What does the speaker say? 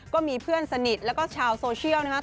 ก็มีเพื่อนสนิทแล้วก็ชาวโซเชียลนะครับ